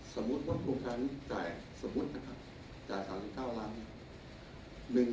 สมมุติเมืองปกติใจ๓๙ล้านบาท